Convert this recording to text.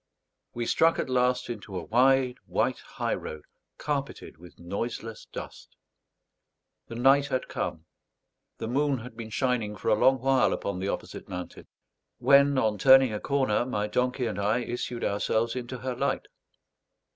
We struck at last into a wide white high road carpeted with noiseless dust. The night had come; the moon had been shining for a long while upon the opposite mountain; when on turning a corner my donkey and I issued ourselves into her light.